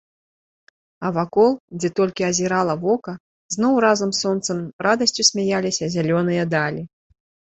А вакол, дзе толькі азірала вока, зноў разам з сонцам радасцю смяяліся зялёныя далі!